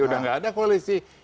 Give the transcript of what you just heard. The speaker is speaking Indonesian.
udah gak ada koalisi